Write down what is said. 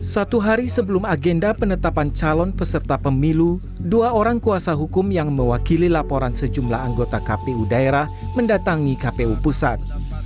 satu hari sebelum agenda penetapan calon peserta pemilu dua orang kuasa hukum yang mewakili laporan sejumlah anggota kpu daerah mendatangi kpu pusat